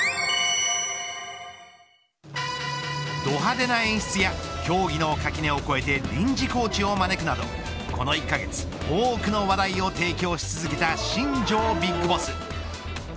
ど派手な演出や競技の垣根を越えて臨時コーチを招くなどこの１カ月、多くの話題を提供し続けた新庄ＢＩＧＢＯＳＳ。